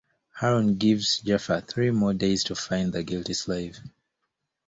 Harun then gives Ja'far three more days to find the guilty slave.